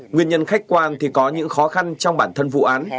nguyên nhân khách quan thì có những khó khăn trong bản thân vụ án